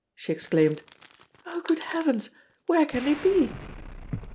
She exclaimed: "Oh! good heavens, where can they be?"